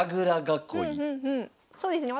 そうですね